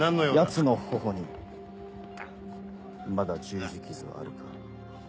奴の頬にまだ十字傷はあるか？